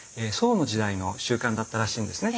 宋の時代の習慣だったらしいんですね。